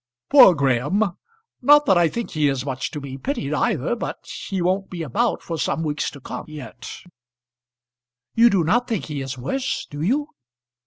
"Poor Graham! not that I think he is much to be pitied either; but he won't be about for some weeks to come yet." "You do not think he is worse; do you?"